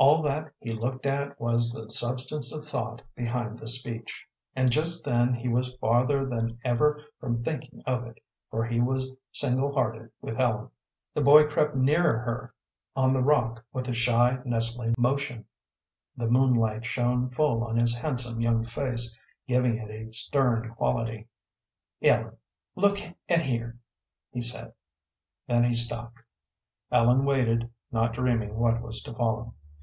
All that he looked at was the substance of thought behind the speech. And just then he was farther than ever from thinking of it, for he was single hearted with Ellen. The boy crept nearer her on the rock with a shy, nestling motion; the moonlight shone full on his handsome young face, giving it a stern quality. "Ellen, look at here," he said. Then he stopped. Ellen waited, not dreaming what was to follow.